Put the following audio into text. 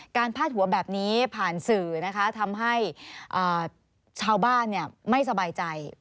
พาดหัวแบบนี้ผ่านสื่อนะคะทำให้ชาวบ้านไม่สบายใจ